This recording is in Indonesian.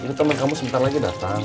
itu teman kamu sebentar lagi datang